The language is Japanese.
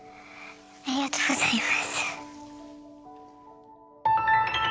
ありがとうございます。